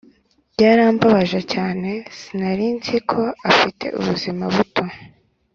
byarambabaje cyane sinarinziko afite ubuzima buto